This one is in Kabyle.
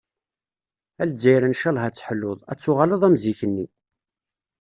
"A Lzzayer ncalleh ad teḥluḍ, ad tuɣaleḍ am zik-nni.